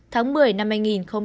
tháng một mươi năm hai nghìn hai mươi